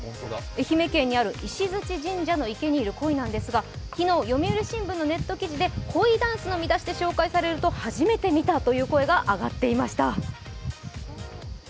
愛媛県にある石鎚神社にある池なんですが昨日、読売新聞のネット記事でコイダンスと紹介されると、初めて見たという声が上がっていました。